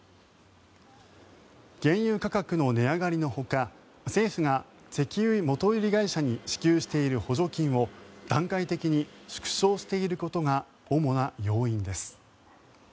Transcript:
原油価格の値上がりのほか政府が石油元売り会社に支給している補助金を段階的に縮小していることが主な要因です。